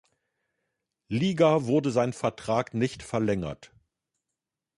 Liga wurde sein Vertrag nicht verlängert.